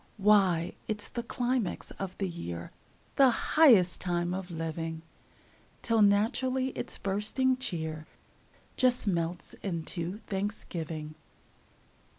Why, it's the climax of the year, The highest time of living! Till naturally its bursting cheer Just melts into Thanksgiving.